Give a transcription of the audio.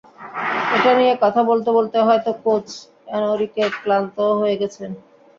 এটা নিয়ে কথা বলতে বলতে হয়তো কোচ এনরিকে ক্লান্তও হয়ে গেছেন।